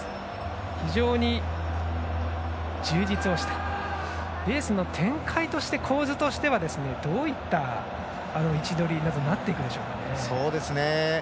非常に充実をしたレースの展開、構図としてはどういった位置取りになっていくでしょうか。